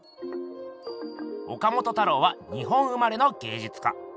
岡本太郎は日本生まれの芸術家。